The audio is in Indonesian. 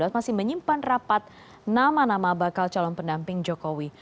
masih menyimpan rapat nama nama bakal calon pendamping jokowi